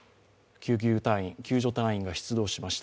救急隊員、救助隊員が出動しました。